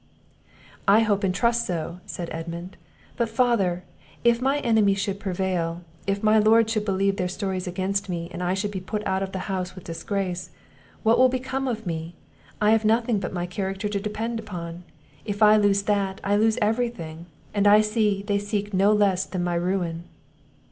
"I hope and trust so," said Edmund; "but, father, if my enemies should prevail if my lord should believe their stories against me, and I should be put out of the house with disgrace, what will become of me? I have nothing but my character to depend upon; if I lose that, I lose every thing; and I see they seek no less than my ruin."